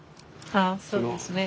ああそうですね。